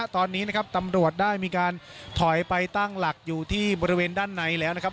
ตอนนี้นะครับตำรวจได้มีการถอยไปตั้งหลักอยู่ที่บริเวณด้านในแล้วนะครับ